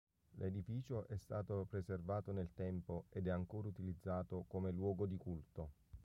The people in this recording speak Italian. L'edificio è stato preservato nel tempo ed è ancora utilizzato come luogo di culto.